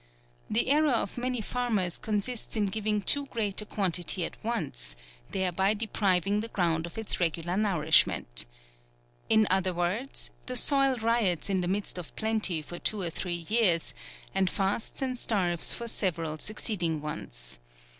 The er ror of many farmers consists in giving too great a quantity at once, thereby depriving the ground of its regular nourishment ;— in other words, the soil riots in the midst of plenty for two or three years, and fasts and starves for several succeeding ones.